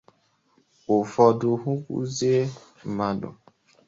Ụfọdụ hụkwuzie mmadụ